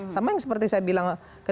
sama yang seperti saya bilang